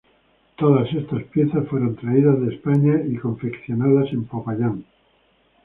Todas estas piezas fueron traídas de España y fueron confeccionadas en Popayán.